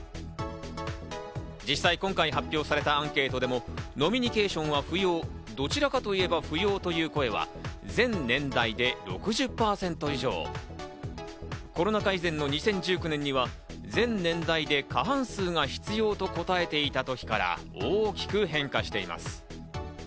実際、今回発表されたアンケートでも飲みニケーションは不要・どちらかといえば不要という声は全年代で６０％以上、コロナ禍以前の２０１９年には、全年代で過半数が必要と答えていた時から大きく変化しています。